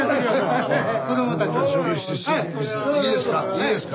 いいですか？